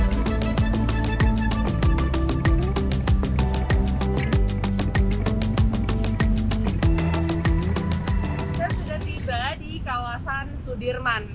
saya sudah tiba di kawasan sudirman